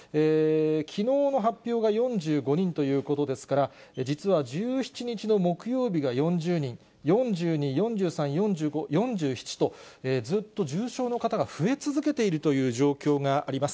きのうの発表が４５人ということですから、実は１７日の木曜日が４０人、４２、４３、４５、４７と、ずっと重症の方が増え続けているという状況があります。